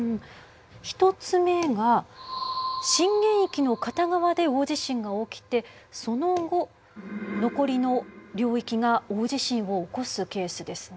１つ目が震源域の片側で大地震が起きてその後残りの領域が大地震を起こすケースですね。